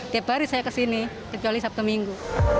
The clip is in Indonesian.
tiap hari saya kesini kecuali sabtu minggu